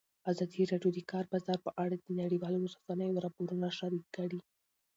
ازادي راډیو د د کار بازار په اړه د نړیوالو رسنیو راپورونه شریک کړي.